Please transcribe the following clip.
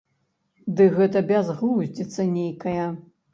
Ды гэта бязглудзіца нейкая.